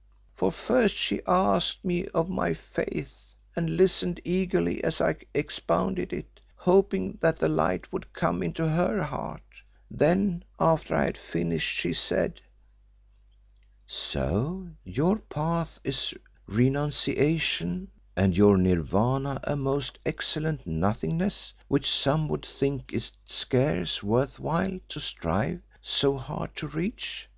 _ For first she asked me of my faith and listened eagerly as I expounded it, hoping that the light would come into her heart; then, after I had finished she said "'So your Path is Renunciation and your Nirvana a most excellent Nothingness which some would think it scarce worth while to strive so hard to reach.